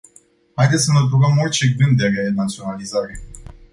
Haideți să înlăturăm orice gând de renaționalizare.